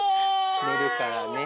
寝るからね。